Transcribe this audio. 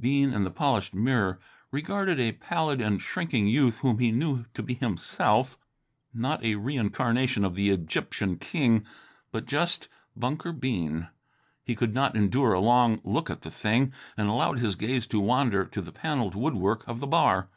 Bean, in the polished mirror, regarded a pallid and shrinking youth whom he knew to be himself not a reincarnation of the Egyptian king, but just Bunker Bean. He could not endure a long look at the thing, and allowed his gaze to wander to the panelled woodwork of the bar.